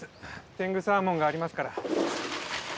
天狗サーモンがありますから。